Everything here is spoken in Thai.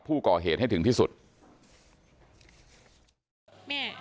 ไม่ตั้งใจครับ